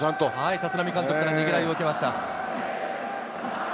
立浪監督からねぎらいを受けました。